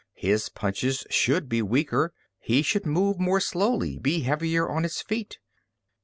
His punches should be weaker. He should move more slowly, be heavier on his feet.